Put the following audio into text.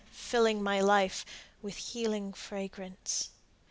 —filling my life with healing fragrance.